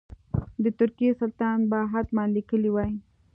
د ترکیې سلطان به حتما لیکلي وای.